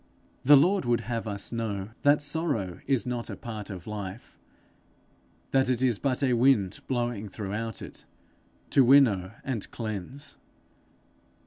The Lord would have us know that sorrow is not a part of life; that it is but a wind blowing throughout it, to winnow and cleanse.